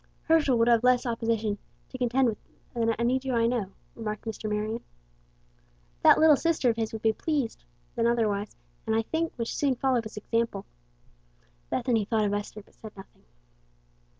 '" "Herschel would have less opposition to contend with than any Jew I know," remarked Mr. Marion. "That little sister of his would be rather pleased than otherwise, and, I think, would soon follow his example." Bethany thought of Esther, but said nothing.